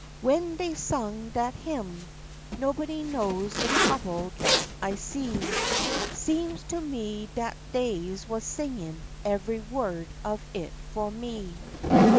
W'en dey sung dat hymn, "Nobody knows de trouble dat I see," Seem'd to me dat dey wuz singin' eveh word o' it fu' me.